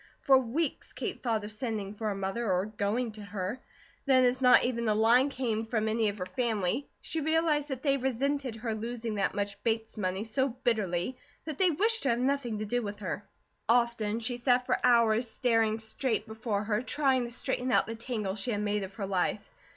For weeks Kate thought of sending for her mother, or going to her; then as not even a line came from any of her family, she realized that they resented her losing that much Bates money so bitterly that they wished to have nothing to do with her. Often she sat for hours staring straight before her, trying to straighten out the tangle she had made of her life.